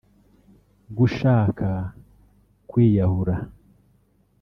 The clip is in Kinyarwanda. gushaka kwiyahura